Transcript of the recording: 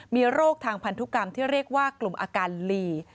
มีโรคทางพันธุกรรมที่เรียกว่ากลุ่มอาการลี